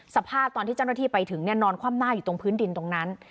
สภาพตอนที่เจ้าหน้าที่ไปถึงนอนคว่ำหน้าอยู่ตรงพื้นดินตรงนั้น